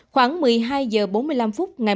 khoảng một mươi hai h bốn mươi năm phút ngày